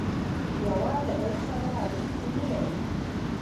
یوه له بل سره اړیکي نه لري